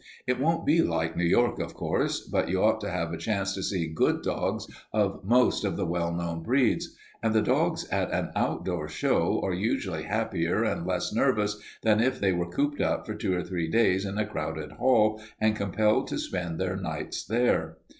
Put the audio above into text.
It won't be like New York, of course, but you ought to have a chance to see good dogs of most of the well known breeds. And the dogs at an outdoor show are usually happier and less nervous than if they were cooped up for two or three days in a crowded hall and compelled to spend their nights there.